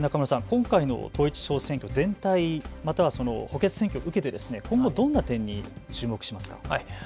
今回の統一地方選挙全体、または補欠選挙を受けて、今後、どんな点に注目しますか。